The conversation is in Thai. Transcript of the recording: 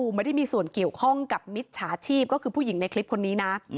ไม่ได้มีส่วนเกี่ยวข้องกับมิจฉาชีพก็คือผู้หญิงในคลิปคนนี้นะ